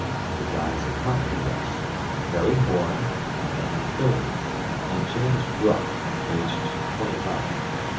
The guides accompanied us, Harry Horn, a man of thirty, and James Bruck, aged twenty five.